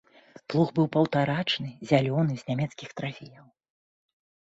Плуг быў паўтарачны, зялёны, з нямецкіх трафеяў.